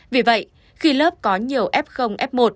vì vậy khi lớp có nhiều f f một